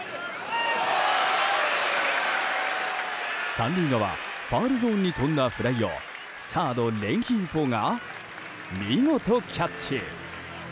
３塁側ファウルゾーンに飛んだフライをサード、レンヒーフォが見事キャッチ！